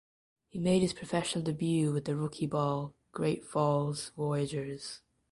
He made his professional debut with the rookie ball Great Falls Voyagers.